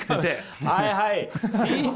はいはい。